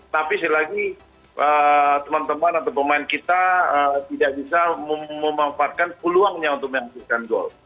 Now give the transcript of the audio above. tapi setelah ini teman teman atau pemain kita tidak bisa memanfaatkan peluangnya untuk mencapai goal